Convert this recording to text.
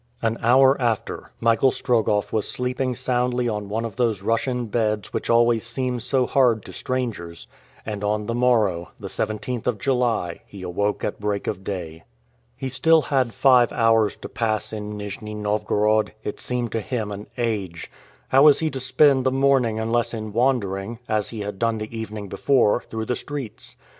An hour after, Michael Strogoff was sleeping soundly on one of those Russian beds which always seem so hard to strangers, and on the morrow, the 17th of July, he awoke at break of day. He had still five hours to pass in Nijni Novgorod; it seemed to him an age. How was he to spend the morning unless in wandering, as he had done the evening before, through the streets?